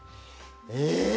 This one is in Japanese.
ええ？！